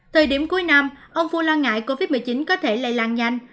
thời điểm cuối năm ông fu lo ngại covid một mươi chín có thể lây lan nhanh